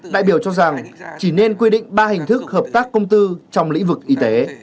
đại biểu cho rằng chỉ nên quy định ba hình thức hợp tác công tư trong lĩnh vực y tế